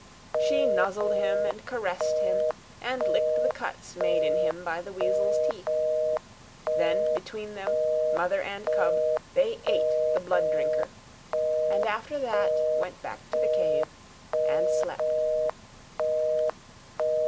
She nozzled him and caressed him and licked the cuts made in him by the weasel's teeth. Then, between them, mother and cub, they ate the blood drinker, and after that went back to the cave and slept.